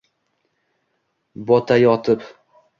Botayotib